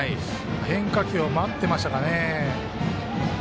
変化球を待ってましたかね。